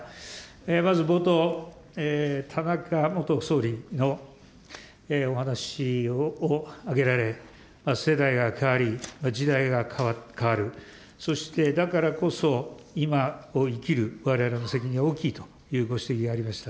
まず冒頭、田中元総理のお話を挙げられ、世代が変わり、時代が変わる、そしてだからこそ、今を生きるわれわれの責任は大きいというご指摘がありました。